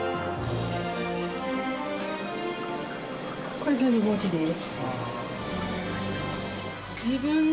これ全部文字です。